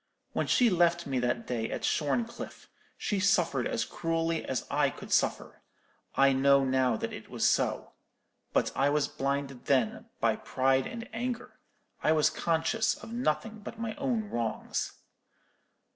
When she left me that day at Shorncliffe, she suffered as cruelly as I could suffer: I know now that it was so. But I was blinded then by pride and anger: I was conscious of nothing but my own wrongs.